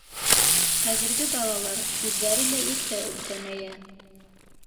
Хәҙерге балалар үҙҙәре лә иртә өлкәнәйә.